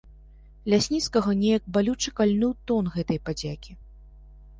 Лясніцкага неяк балюча кальнуў тон гэтай падзякі.